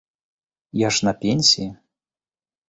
Я ж на пенсіі.